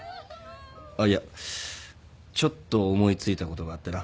あっいやちょっと思いついたことがあってな。